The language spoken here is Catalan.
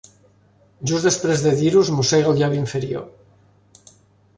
Just després de dir-ho es mossega el llavi inferior.